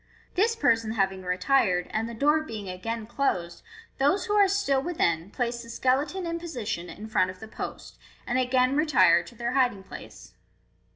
This person having retired, and the door being again closed, those who are still within place the skeleton in position in front of the post, and again retire to their hiding place.